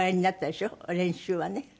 練習はね。